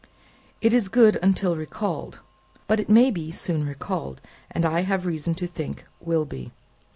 It is good, until recalled. But it may be soon recalled, and, I have reason to think, will be."